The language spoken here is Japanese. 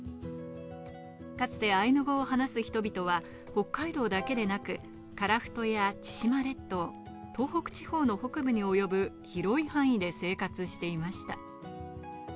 かつてアイヌ語を話す人々は北海道だけでなく、樺太や千島列島、東北地方の北部に及ぶ広い範囲で生活していました。